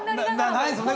ないんですよね